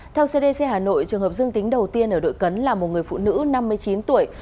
theo cdc hà nội trường hợp dương tính đầu tiên ở đội cấn là một người phụ nữ năm mươi chín tuổi